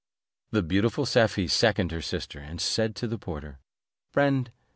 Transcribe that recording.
The beautiful Safie seconded her sister, and said to the porter, "Friend.